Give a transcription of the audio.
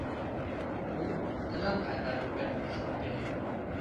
U tilin qaytarib berdi qushlarga.